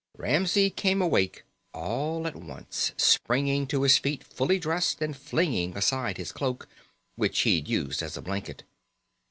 Ramsey came awake all at once, springing to his feet fully dressed and flinging aside his cloak, which he'd used as a blanket.